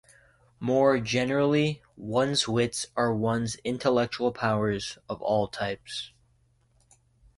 More generally, one's wits are one's intellectual powers of all types.